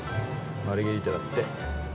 マルゲリータだって。